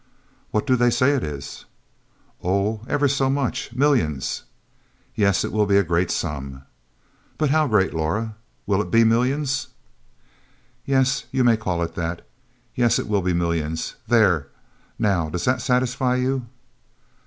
"What do they say it is?" "Oh, ever so much. Millions!" "Yes, it will be a great sum." "But how great, Laura? Will it be millions?" "Yes, you may call it that. Yes, it will be millions. There, now does that satisfy you?"